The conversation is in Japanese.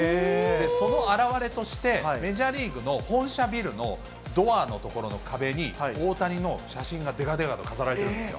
その表れとして、メジャーリーグの本社ビルのドアの所の壁に、大谷の写真がでかでかと飾られてるんですよ。